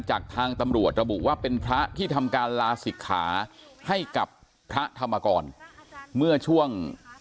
จากทางตำรวจระบุว่าเป็นพระที่ทำการลาศิกขาให้กับพระธรรมกรเมื่อช่วง